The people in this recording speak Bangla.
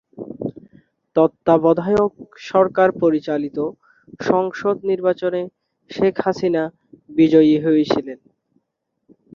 তত্ত্বাবধায়ক সরকার পরিচালিত সংসদ নির্বাচনে শেখ হাসিনা বিজয়ী হয়েছিলেন।